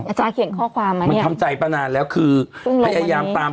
จ๊ะเขียนข้อความอะเนี่ยมันทำใจปะนานแล้วคือพึ่งหลังวันนี้พยายามตาม